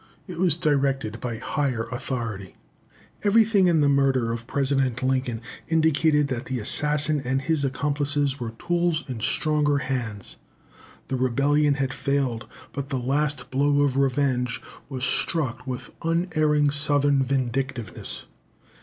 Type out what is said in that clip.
It was directed by higher authority. Everything in the murder of President Lincoln indicated that the assassin and his accomplices were tools in stronger hands. The rebellion had failed, but the last blow of revenge was struck with unerring Southern vindictiveness.